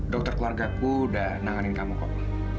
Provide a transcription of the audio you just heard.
dokter keluarga aku udah nanganin kamu kok